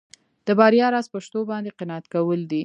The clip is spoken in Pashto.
د بریا راز په شتو باندې قناعت کول دي.